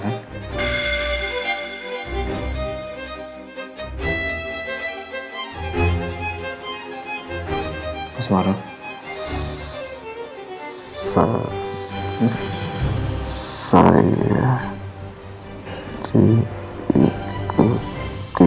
mudah mudahan besok sudah bisa diajak bicara